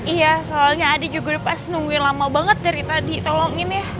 iya soalnya adi juga pas nungguin lama banget dari tadi tolongin ya